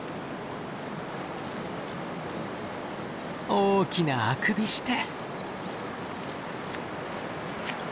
大きなあくびして。